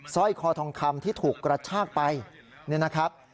สร้อยคอทองคำที่ถูกกระชากไปเนี่ยนะครับ